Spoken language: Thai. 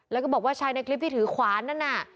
แล้วก็บอกว่าชายในคลิปที่ถือขวานนั่นน่ะ